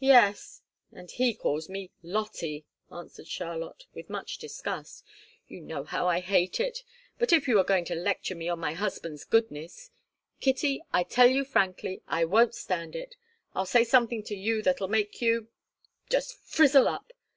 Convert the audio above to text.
"Yes and he calls me Lottie," answered Charlotte, with much disgust. "You know how I hate it. But if you are going to lecture me on my husband's goodness Kitty, I tell you frankly, I won't stand it. I'll say something to you that'll make you just frizzle up!